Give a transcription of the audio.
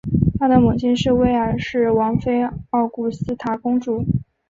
他的母亲是威尔士王妃奥古斯塔公主。